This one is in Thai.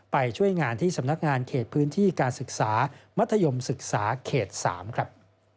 ไปช่วยงานที่สำนักงานเขตพื้นที่การศึกษามัธยมศึกษาเขต๓ครับ